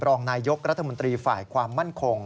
รองนายยกรัฐมนตรีฝ่ายความมั่นคง